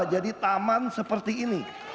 jadi taman seperti ini